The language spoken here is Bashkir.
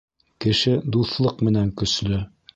Кеше дуҫлыҡ менән көслө.